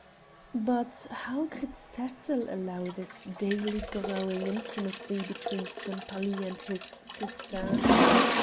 But how could Cecil allow this daily growing intimacy between Sempaly and his sister?